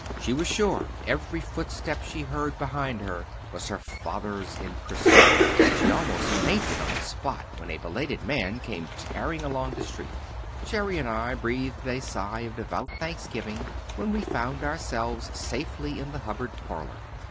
She was sure every footstep she heard behind her was her father's in pursuit. She almost fainted on the spot when a belated man came tearing along the street. Jerry and I breathed a sigh of devout thanksgiving when we found ourselves safely in the Hubbard parlour.